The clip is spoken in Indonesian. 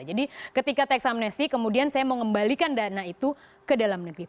jadi ketika teks amnesti kemudian saya mau ngembalikan dana itu ke dalam negeri